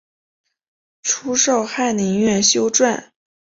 初授翰林院修撰。